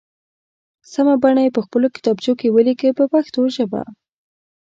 سمه بڼه یې په خپلو کتابچو کې ولیکئ په پښتو ژبه.